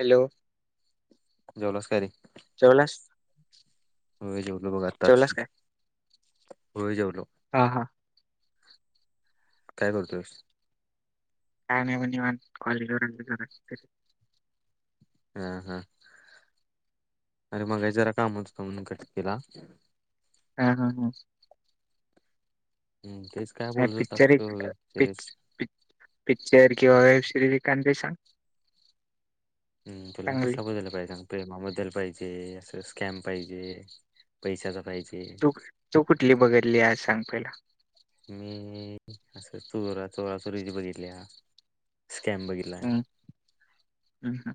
Hello! जेवलास का रे? जेवलास? होय जेवलो बघ आत्ताच, जेवलास काय होय जेवलो. हा हा. काय करतोयस? का नाही मी निवांत कॉलेज वर्ण घरी. हा हा, अरे मगाशी जरा कामात होतो म्हणून कट केला. हा हा हा. हम्म तेच काय बोलत असत सरेस. पिच्चर किंवा वेब सिरिज एकदा सांग. हम तुला चांगली कसं बदलला पाहिेजे सां. प्रेमाबद्दल पाहिजे, असं स्कॅम पाहिजे, पैशाचा पाहिजे. तू, तू कुठली बघितली आहे सांग पहिले. मी असं चोरा-चोरा-चोरीची बघितली स्कॅम बघितला आहे. हम ह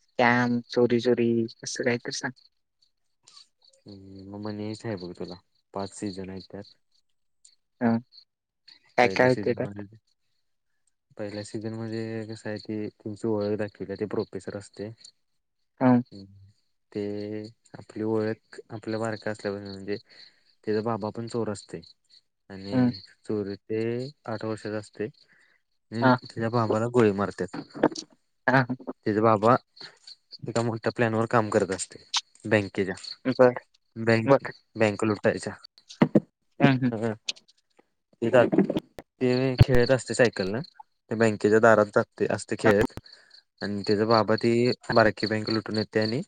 स्कॅम, चोरी-चोरी असं काय तर सांग. ह मग हेच आहे बघ तुला पाच सीझन आहे त्यात. हा. पहिल्या सीझनमध्ये [inaudible] पहिल्या सीझन मध्ये कस आहे ते तुची ओळख दाखवली ते प्रोफेसर असते. हं ते आपली ओळख आपल्या वारका असल्यापासून म्हणजे त्याचा बाबा पण चोर असते हं आणि चोर ते आठ वर्षांचा असते हम् हा तिच्या बाबाला गोळी मारत्यात. हा [inaudible] तेचा बाबा एका मोठ्या प्लॅन वर काम करत असते. बँकेच्या, बर बक बर बँक लुटायच्या. हम हम. ते काय, ते खेळत असते सायकलला ते बँकेच्या दारात जात. ते असते खेळत आणि त्याचा बाबा ती ही बारकी बँक लुटून येते आणि.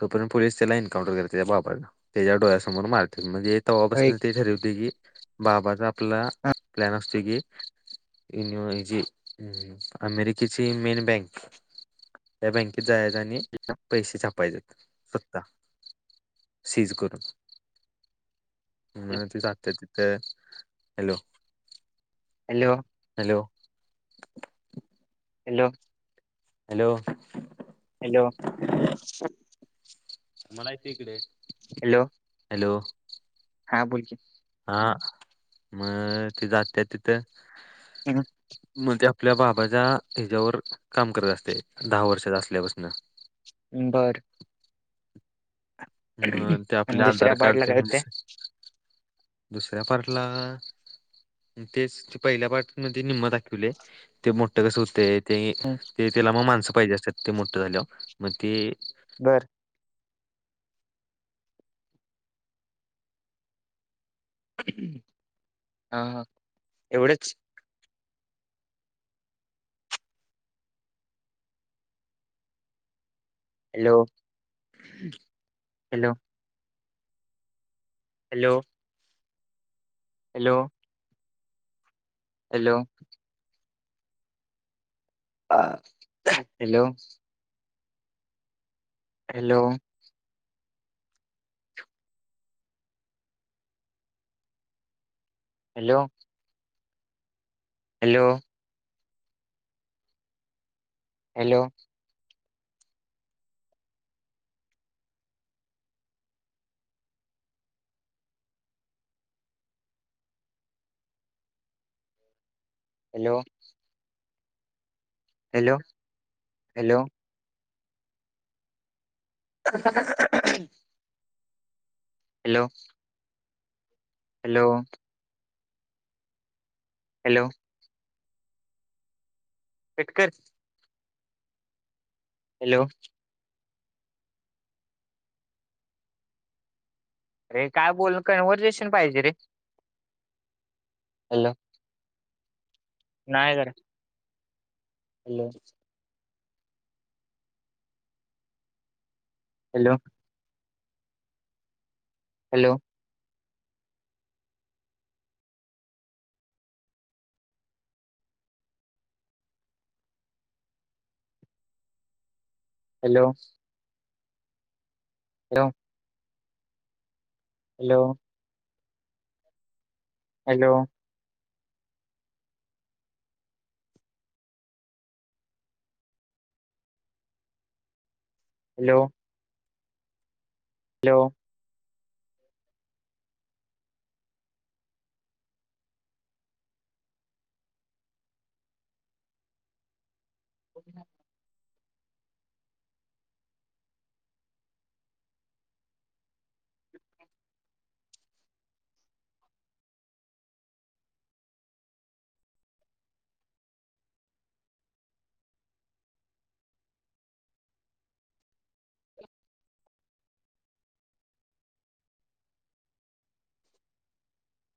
तोपर्यंत पोलीस त्याला एन्उटर करते त्या बाबला त्याच्या डोळ्यासमोर मारते म्हणजे. तवा्हा होय बसून की ते ठरवते की बाबाचा आपला हं प्लॅन असतो की. जे अमेरिकेची मेन बँक. या बँकेत जाय आणि पैसे छप. उपाय सकता सीज करून. म्ह त जातते तिथे hello. Hello. Hello. Hello. Hello. Hello. मला यती इकडे. हॅलो. हॅलो. हा बोलकी. हा मग ते जात तिथं. ह. म्हणजे आपल्या बाबाच्या ह्याच्यावर काम करत असते दहा वर्षाचा असल्यापासून बरं. म ते आपले आणि आधार दुसऱ्या पार्टला कार्डचे काय होतंय म्हणजे. दुसऱ्या पारटला. तेच ते पहिल्या पठमध्येध्ये निम्म दाखवले ते मोठं कसं होते. ते ते त्याला मग माणसं पाहिजे असत ते मोठं झाल्या मग ते. बरं. हा ह एवढंच. Hello hello. Hello. Hello. Hello. अ hello. Hello. Hello. Hello. Hello. Hello. Hello hello. ह. हॅलो हॅलो हॅलो कट कर हॅलो. अरे काय बोल कन्वर्सेेशन पाहिजे रे हॅलो. नाही जर. हॅलो. हॅलो. हॅलो. हॅलो ह हॅलो हॅलो हॅलो हॅलो हो